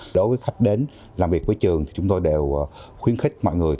đối với khách đến làm việc với trường thì chúng tôi đều khuyến khích mọi người